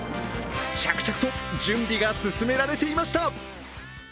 着々と準備が進められていました。